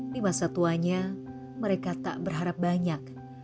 di masa tuanya mereka tak berharap banyak